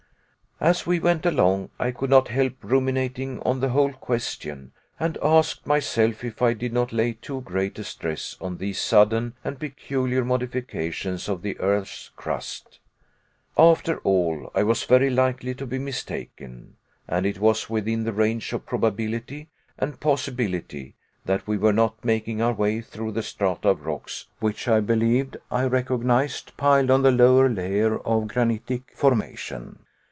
As we went along I could not help ruminating on the whole question, and asked myself if I did not lay too great a stress on these sudden and peculiar modifications of the earth's crust. After all, I was very likely to be mistaken and it was within the range of probability and possibility that we were not making our way through the strata of rocks which I believed I recognized piled on the lower layer of granitic formation.